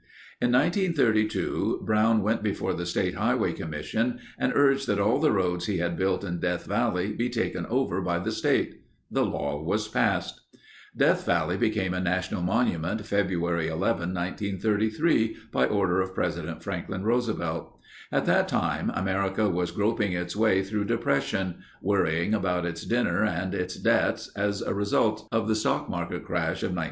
In 1932 Brown went before the State Highway Commission and urged that all the roads he had built in Death Valley be taken over by the state. The law was passed. Death Valley became a National Monument February 11, 1933, by order of President Franklin Roosevelt. At that time America was groping its way through depression, worrying about its dinner and its debts as a result of the stock market crash of 1929.